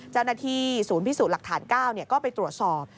เจ้าหน้าที่ศูนย์พิสูจน์หลักฐาน๙ก็ไปตรวจสอบ